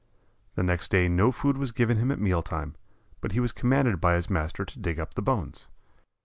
The next day no food was given him at meal time, but he was commanded by his master to dig up the bones.